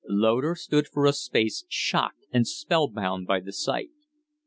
Loder stood for a space shocked and spellbound by the sight.